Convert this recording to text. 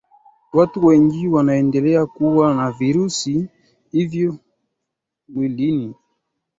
watu wengi wanaendelea kuwa na virusi hivyo mwilini